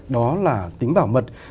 đó là tính bảo mật